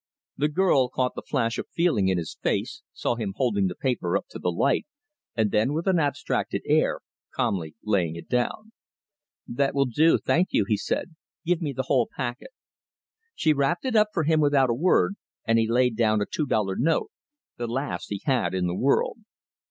The girl caught the flash of feeling in his face, saw him holding the paper up to the light, and then, with an abstracted air, calmly lay it down. "That will do, thank you," he said. "Give me the whole packet." She wrapped it up for him without a word, and he laid down a two dollar note, the last he had in the world.